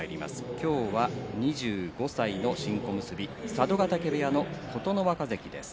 今日は２５歳の新小結佐渡ヶ嶽部屋の琴ノ若関です。